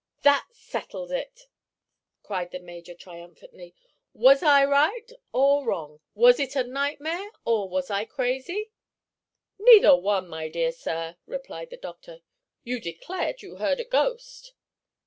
"That settles it!" cried the major, triumphantly. "Was I right, or wrong? Was it a nightmare, or was I crazy?" "Neither one, my dear sir," replied the doctor. "You declared you heard a ghost."